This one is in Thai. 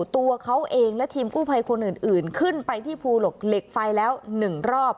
ตัวเขาเองและทีมกู้ภัยคนอื่นขึ้นไปที่ภูเหล็กไฟแล้ว๑รอบ